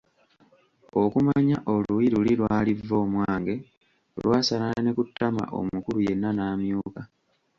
Okumanya oluyi luli lwali'vvoomwange', lwasala ne ku ttama omukulu yenna n’amyuka.